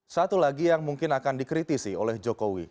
satu lagi yang mungkin akan dikritisi oleh jokowi